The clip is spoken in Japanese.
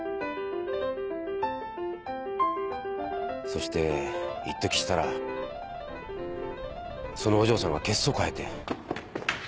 そしていっときしたらそのお嬢さんが血相変えて。